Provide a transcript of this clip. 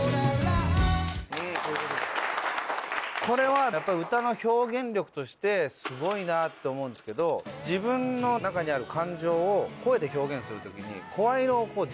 これはやっぱり歌の表現力としてすごいなって思うんですけど自分の中にある感情を声で表現する時に。